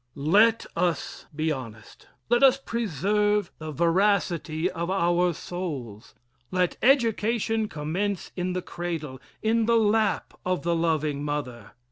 LET us be honest. Let us preserve the veracity of our souls. Let education commence in the cradle in the lap of the loving mother.